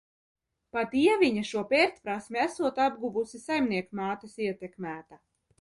Pat Ieviņa šo pērtprasmi esot apguvusi saimniekmātes ietekmēta.